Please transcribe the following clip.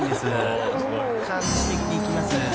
神主的にいきます］